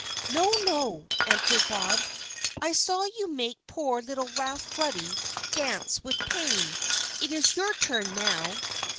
"No, no," answered Bob; "I saw you make poor little Ralph Ruddy dance with pain. It is your turn now."